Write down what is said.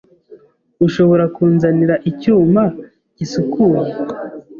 Ushobora kunzanira icyuma gisukuye?